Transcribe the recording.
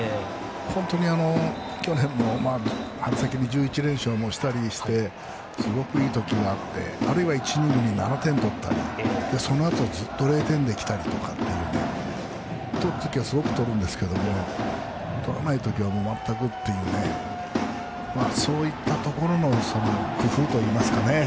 去年の春先に１１連勝をしたりしてすごくいい時があってあるいは１イニングに７点取ったり、そのあとずっと０点できたりとかとる時は、すごくとるんですけどとらない時はまったくというねそういったところの工夫といいますか。